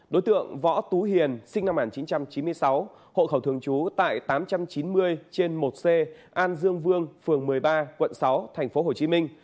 đối tượng võ tú hiền sinh năm một nghìn chín trăm chín mươi sáu hộ khẩu thường chú tại tám trăm chín mươi trên một c an dương vương phường một mươi ba quận sáu tp hcm